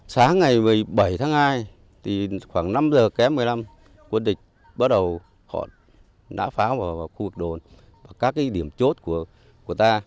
sáng ngày một mươi bảy tháng hai khoảng năm giờ kém một mươi năm quân địch bắt đầu họ đã phá vào khu vực đồn và các điểm chốt của ta